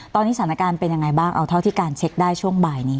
ตอนนี้สถานการณ์เป็นยังไงบ้างเอาเท่าที่การเช็คได้ช่วงบ่ายนี้